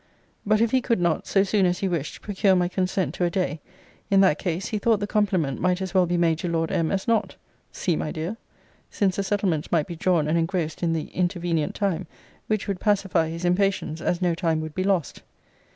] But if he could not, so soon as he wished, procure my consent to a day; in that case, he thought the compliment might as well be made to Lord M. as not, [See, my dear!] since the settlements might be drawn and engrossed in the intervenient time, which would pacify his impatience, as no time would be lost.